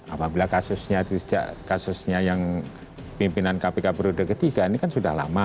apabila kasusnya yang pimpinan kpk berada ketiga ini kan sudah lama